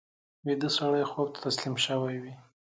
ویده سړی خوب ته تسلیم شوی وي